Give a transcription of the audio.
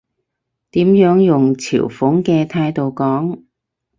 點樣用嘲諷嘅態度講？